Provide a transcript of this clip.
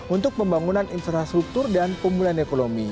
untuk pembangunan infrastruktur dan pemulihan ekonomi